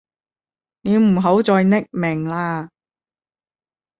你唔好再匿名喇